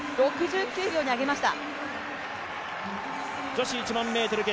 ６９秒に上げました。